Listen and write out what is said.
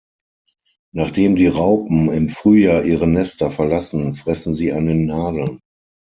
Nachdem die Raupen im Frühjahr ihre Nester verlassen, fressen sie an den Nadeln.